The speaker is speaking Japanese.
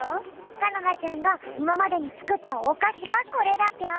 かのはちゃんがいままでにつくったおかしがこれだぴょん！